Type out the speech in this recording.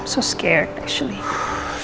saya sangat takut sebenarnya